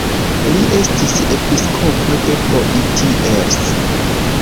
Li estis episkopo de Poitiers.